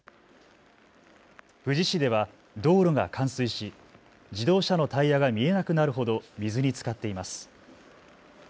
富士市では道路が冠水し自動車のタイヤが見えなくなるほど水につかっています。